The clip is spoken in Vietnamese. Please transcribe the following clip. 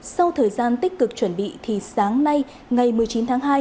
sau thời gian tích cực chuẩn bị thì sáng nay ngày một mươi chín tháng hai